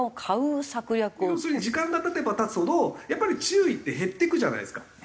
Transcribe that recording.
要するに時間が経てば経つほどやっぱり注意って減っていくじゃないですか。